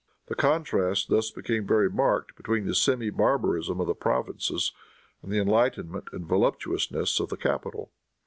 The contrast thus became very marked between the semi barbarism of the provinces and the enlightenment and voluptuousness of the capital.